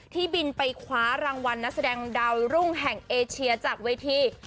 บินไปคว้ารางวัลนักแสดงดาวรุ่งแห่งเอเชียจากเวที